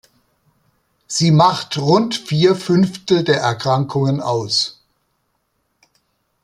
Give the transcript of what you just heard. Sie macht rund vier Fünftel der Erkrankungen aus.